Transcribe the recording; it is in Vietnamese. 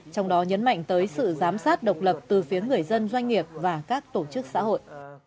trong đó nhấn mạnh tới sự giám sát độc lập từ phía người dân doanh nghiệp và các tổ chức xã hội